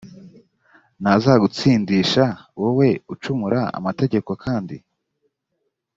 ntazagutsindisha wowe ucumura amategeko kandi